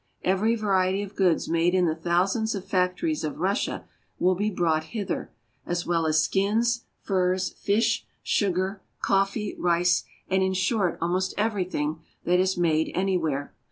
Every variety of goods made in the thousands of factories of Russia will be brought hither, as well as skins, furs, fish, sugar, coffee, rice, and, in short, almost everything that is made anywhere.